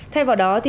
thay vào đó